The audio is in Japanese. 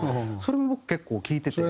それも僕結構聴いてて。